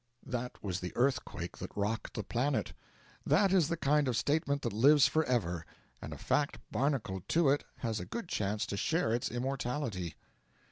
That was the earthquake that rocked the planet. That is the kind of statement that lives for ever, and a fact barnacled to it has a good chance to share its immortality.